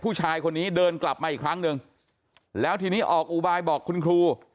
ผู้ชายคนนี้เดินกลับมาอีกครั้งหนึ่งแล้วทีนี้ออกอุบายบอกคุณครู